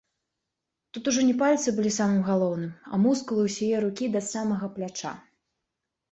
Тут ужо не пальцы былі самым галоўным, а мускулы ўсяе рукі да самага пляча.